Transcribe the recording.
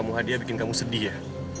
masuk ke kamar